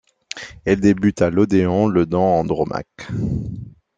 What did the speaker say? Elle débute à l'Odéon le dans Andromaque.